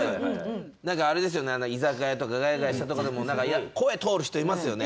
あれですよね、居酒屋とかガヤガヤしたところでも声が通る人がいますよね。